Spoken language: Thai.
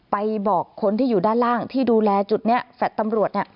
ไปบอกคนที่อยู่ด้านล่างที่ดูแลจุดนี้แฝดตำรวจ